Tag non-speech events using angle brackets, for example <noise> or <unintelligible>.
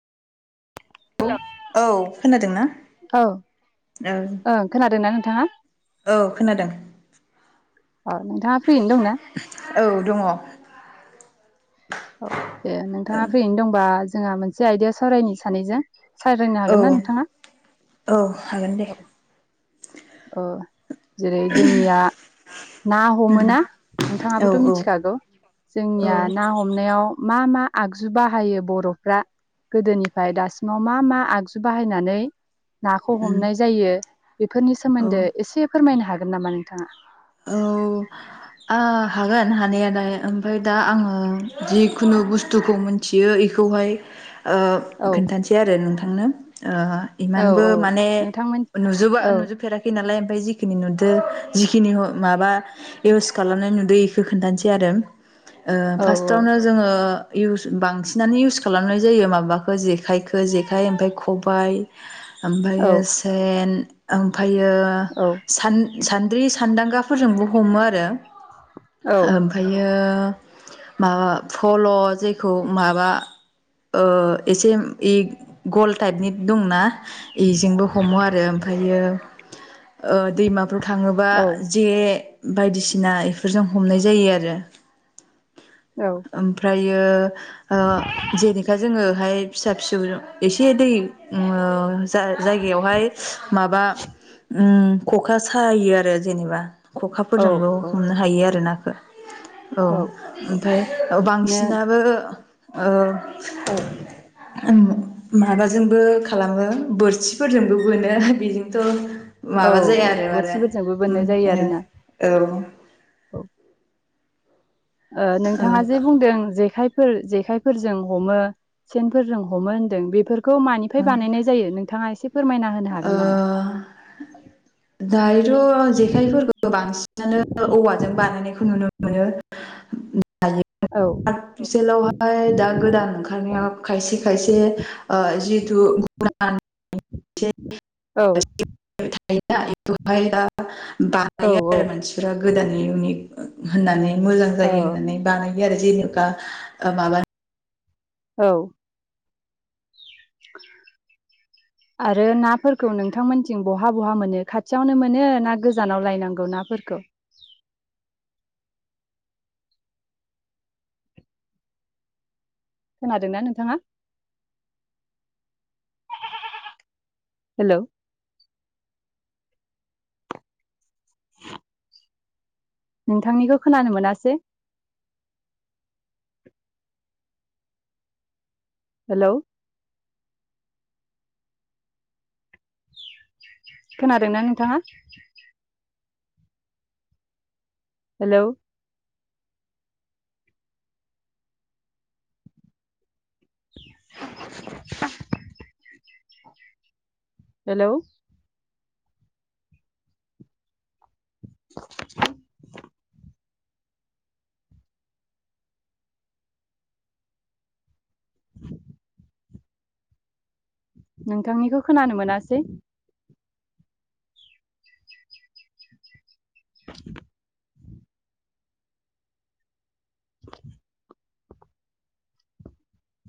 औ-औ खोनादोंना औ औ ओ खोनादों नों नोंथाङा। औ खोनादों अ नोंथाङा फ्रिनो दंना औ दङ औ दे नोंथाङा फैयैनो दंबा। जोंहा मोनसे आयदिया सावरायनो सानैजों। सायरायायनो हागोन ना नोंथाङा औ हागोन दे औ। ओ जेरै जोंनिया ना हमोना औ नोंथाङाबोथ' मिथिखागौ औ जोंनिया ना हमनायाव मा मा आगजु बाहायो बर'फ्रा गोदोनिफ्राय दासिमाव मा मा आगजु बाहायनानै नाखौ उम हमनाय जायो बेफोरनि औ सोमोन्दो एसे फोरमायनो हाग गोन नामा नोंथाङा औ‌ ओ हागोन हानायालाय ओमफाय दा आङो जिखुनु बुस्थुखौ मोनथियो इखौहाय ओ औ खिन्थानसै आरो नों थांनो ओ औ इमानबो औ माने नोंथांमोन नुजुबा औ नुजोबफेराखै नालाय ओमफाय जिखिनि नुदो जिखिनि ह माबा इउस खालामनाय नुदो इखो खोन्थानसै आरो ओ औ फार्स्टआवनो जोङो इउस बांसिनानो इउस खालामनाय जायो माबाखो जेखायखो जेखाइ ओमफाय खबाइ औ ओमफायो सेन औ हायो औ सान सान्द्रि सान्दांगा फोरजोंबो हमो आरो औ ओमफायो ओ ऐ माबा फल' जेखौ माबा ओ एसेम एग गल टाइपनि दंना इजोंबो हमो आरो ओमफायो ओ दैमा <unintelligible> थाङोबा औ बे बायदिसिना इफोरजों हमनाय जायो आरो औ ओमफ्राय इयो ओ जेनेखा जोङोहाय फिसा फिसौजो एसे दै <unintelligible> जा जायगायावहाय माबा उम ख'खा सायो आरो जेनेबा औ ख'खाफोरजोंबो हमनो हायो आरोना बो औ औ ओमफाय ओ नो बांसिनाबो औ औ ओं माबाजोंबो खालामो बोरसिफोरजोंबो बोनो बेजोंथ' औ माबा जाया आरो बोरसिफोरजोंबो म बोननाय जायो आ आरोना औ औ ओ नोंथाङा जे बुंदों जेखाय । फोर जेखायफोरजों हमो सेनफोरजों हमो होन्दों बेफोर खौ मानिफ्राय ओ बानायनाय जायो नोंथाङा एसे फोरमायना हो ओ दायोथ' जेखाइफोरखौ बांसिनानो औवाजों बानायनायखौ नुनो मोनो । औ <unintelligible> आर्टिफिसिलावहाय दा गोदान ओंखारनायाव खायसे खायसे ओ जिथु गुना औ <unintelligible> बाहायो औ आरो मानसिफ गोदानै इउनिक । होननानै मोजां औ जायो होननानै बानायो आरो जेनेबा ओ माबा औ आरो नाफोरखौ नोंथांमोनथिं बहा बहा मोनो खाथियावनो मोनो ना गोजानाव लायनांगौ नाफोरखौ । खोनादोंना नोंथाङा हेलौ? <unintelligible> नोंथांनिखौ खोनानो मोनासै । हेलौ खोनादोंना नोंथाङा? हेलौ <unintelligible> हेलौ <unintelligible> नोंथांनिखौ खोनानो मोनासै । <unintelligible> <unintelligible>